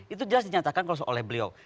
itu jelas dinyatakan oleh beliau